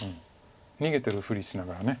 逃げてるふりしながら。